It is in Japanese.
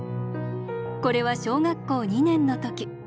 これは小学校２年の時。